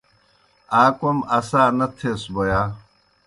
آ کوْم اسا نہ تھیس بوْ ہا؟